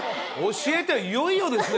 「教えて」はいよいよですね